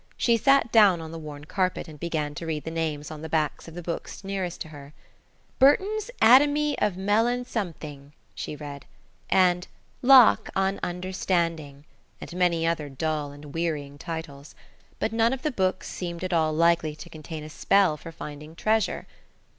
She sat down on the worn carpet. and began to read the names on the backs of the books nearest to her. "Burton's Atomy of Melon something," she read, and "Locke on Understanding," and many other dull and wearying titles. But none of the books seemed at all likely to contain a spell for finding treasure.